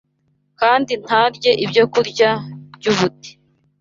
kandi ntarye ibyokurya by’ubute